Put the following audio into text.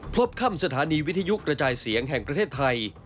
พบค่ำสถานีวิทยุกระจายเสียงแห่งประเทศไทย